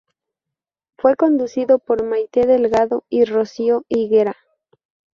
Fue conducido por Maite Delgado y Rocío Higuera.